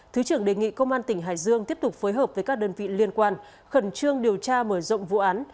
thứ trưởng đề nghị công an tỉnh hải dương tiếp tục phối hợp với các đơn vị liên quan khẩn trương điều tra mở rộng vụ án